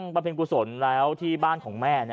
ชาวบ้านญาติโปรดแค้นไปดูภาพบรรยากาศขณะ